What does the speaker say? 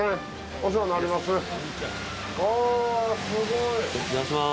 お世話になります。